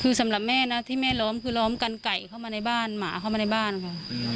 คือสำหรับแม่นะที่แม่ล้อมคือล้อมกันไก่เข้ามาในบ้านหมาเข้ามาในบ้านค่ะ